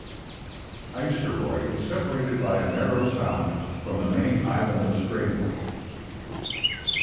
Eysturoy is separated by a narrow sound from the main island of Streymoy.